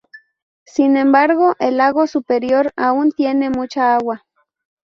Sin embargo, el Lago Superior aún tiene mucha agua.